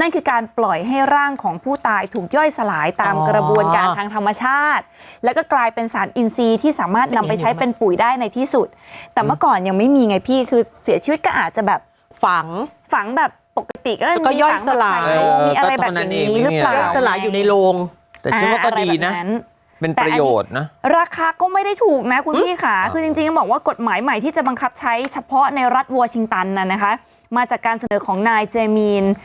นั่นคือการปล่อยให้ร่างของผู้ตายถูกย่อยสลายตามกระบวนการทางธรรมชาติและก็กลายเป็นสารอินซีที่สามารถนำไปใช้เป็นปุ่ยได้ในที่สุดแต่เมื่อก่อนยังไม่มีไงพี่คือเสียชีวิตก็อาจจะแบบฝังฝังแบบปกติก็ย่อยสลายอะไรแบบนี้อยู่ในโรงเป็นประโยชน์ราคาก็ไม่ได้ถูกนะคุณพี่ค่ะคือจริงบอกว่ากฎหมายให